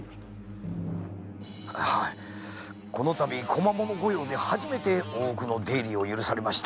このたび小間物御用で初めて大奥の出入りを許されました。